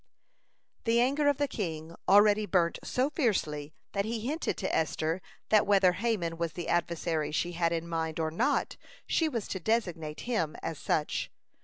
(180) The anger of the king already burnt so fiercely that he hinted to Esther, that whether Haman was the adversary she had in mind or not, she was to designate him as such.